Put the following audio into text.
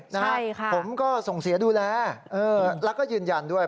ใช่ค่ะผมก็ส่งเสียดูแลแล้วก็ยืนยันด้วย